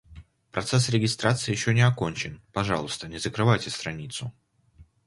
Процесс регистрации ещё не окончен. Пожалуйста, не закрывайте страницу.